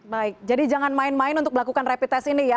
baik jadi jangan main main untuk melakukan rapid test ini ya